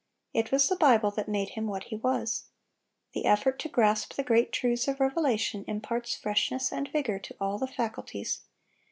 It was the Bible that made him what he was. The effort to grasp the great truths of revelation imparts freshness and vigor to all the faculties.